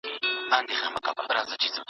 بې له کورنۍ پوهې د ژوند ستونزې نه حل کېږي.